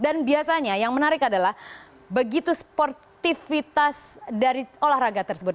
dan biasanya yang menarik adalah begitu sportifitas dari olahraga tersebut